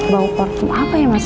bau korm apa ya mas